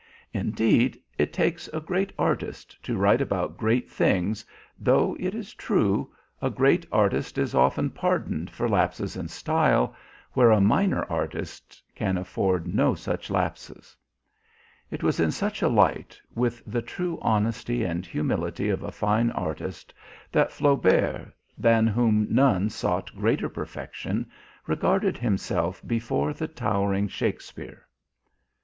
Indeed, it takes a great artist to write about great things, though, it is true, a great artist is often pardoned for lapses in style, where a minor artist can afford no such lapses. It was in such a light, with the true honesty and humility of a fine artist, that Flaubert, than whom none sought greater perfection, regarded himself before the towering Shakespeare.